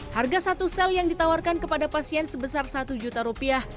harga satu sel yang ditawarkan kepada pasien sebesar satu juta rupiah